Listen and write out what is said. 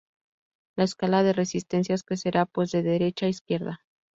La escala de resistencias crecerá, pues, de derecha a izquierda.